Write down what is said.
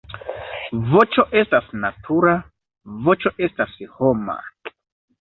Voĉo estas natura, voĉo estas homa.